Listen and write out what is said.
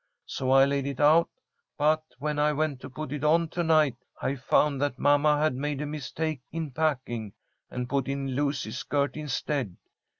So I laid it out, but, when I went to put it on to night, I found that mamma had made a mistake in packing, and put in Lucy's skirt instead.